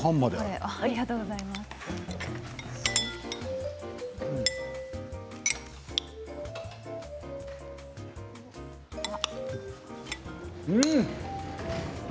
うん！